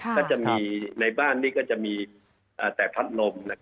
ก็จะมีในบ้านนี่ก็จะมีแต่พัดนม